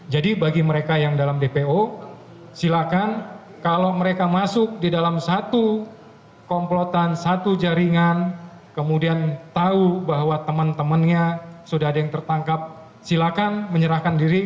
jadi bagi mereka yang dalam dpo silakan kalau mereka masuk di dalam satu komplotan satu jaringan kemudian tahu bahwa teman temannya sudah ada yang tertangkap silakan menyerahkan diri